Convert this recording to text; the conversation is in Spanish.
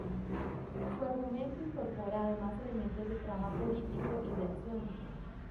Su argumento incorpora además elementos de drama político y de acción.